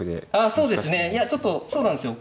そうですねいやちょっとそうなんですよ。